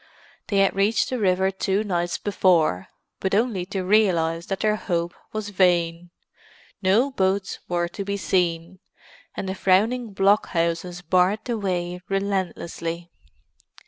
They had reached the river two nights before, but only to realize that their hope was vain; no boats were to be seen, and the frowning blockhouses barred the way relentlessly.